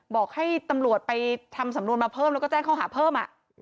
บอกให้ตำรวจไปทำสำนวนมาเพิ่มแล้วก็แจ้งข้อหาเพิ่ม